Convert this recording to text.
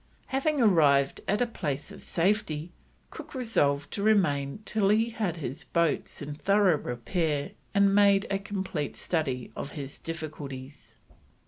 Having arrived at a place of safety, Cook resolved to remain till he had his boats in thorough repair and had made a complete study of his difficulties.